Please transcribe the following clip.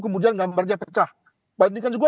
kemudian gambarnya pecah bandingkan juga